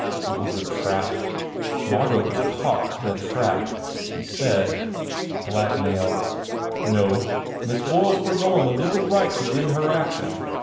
It was a trap. Margot was caught in a trap. He said, "Blackmail." "No. Miss Boyle s foregoin a legal right to bring her action.